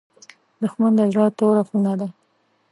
دښمن د زړه توره خونه ده